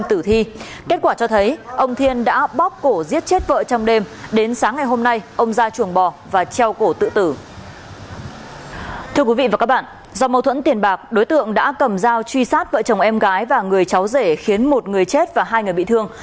thưa quý vị và các bạn do mâu thuẫn tiền bạc đối tượng đã cầm dao truy sát vợ chồng em gái và người cháu rể khiến một người chết và hai người bị thương